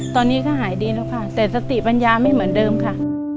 ตอนนี้ก็หายดีแล้วค่ะแต่สติปัญญาไม่เหมือนเดิมค่ะ